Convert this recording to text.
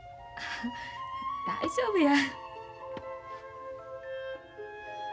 大丈夫や。